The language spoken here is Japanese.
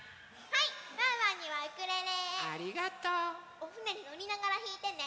おふねにのりながらひいてね。